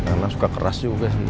karena suka keras juga sebenernya